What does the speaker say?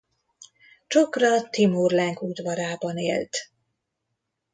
Csokra Timur Lenk udvarában élt.